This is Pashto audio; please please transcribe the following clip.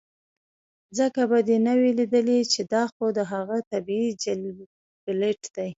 ځکه به دې نۀ وي ليدلے چې دا خو د هغه طبعي جبلت دے